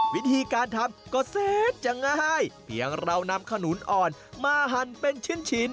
วิธีการทำก็เสร็จจะง่ายเพียงเรานำขนุนอ่อนมาหั่นเป็นชิ้น